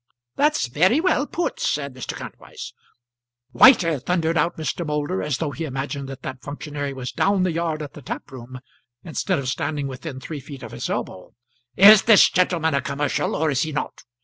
"That's very well put," said Mr. Kantwise. "Waiter," thundered out Mr. Moulder, as though he imagined that that functionary was down the yard at the taproom instead of standing within three feet of his elbow. "Is this gent a commercial, or is he not?